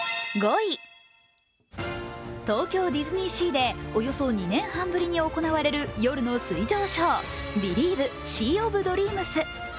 東京ディズニーシーでおよそ２年半ぶりに行われる夜の水上ショー「ビリーヴ！シー・オブ・ドリームス」。